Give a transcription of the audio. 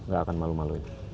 nggak akan malu maluin